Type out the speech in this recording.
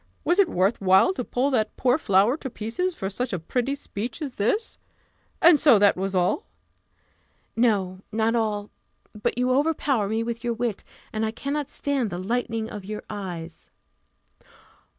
Was it worth while to pull that poor flower to pieces for such a pretty speech as this? And so that was all?" "No, not all: but you overpower me with your wit; and I cannot stand the 'lightning of your eyes.